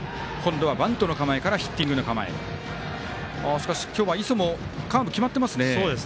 しかし、今日は磯もカーブ決まってますね。